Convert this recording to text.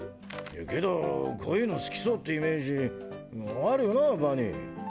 けどこういうの好きそうってイメージあるよなバニー。